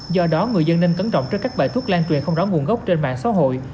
do đó người dân nên cẩn trọng trước các bài thuốc lan truyền không rõ nguồn gốc trên mạng xã hội